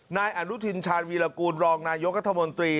นายอนุทินชาญวีรกูลรองนายกรัฐมนตรี